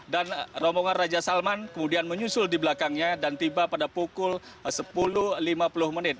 dan rombongan raja salman kemudian menyusul di belakangnya dan tiba pada pukul sepuluh lima puluh menit